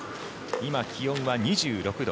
今、気温は２６度。